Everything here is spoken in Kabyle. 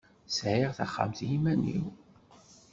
Sεiɣ taxxamt i iman-iw.